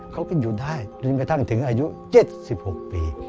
เขาก็อยู่ได้จนกระทั่งถึงอายุ๗๖ปี